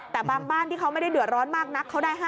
แต่บางบ้านที่เขาไม่ได้เดือดร้อนมากนักเขาได้๕๐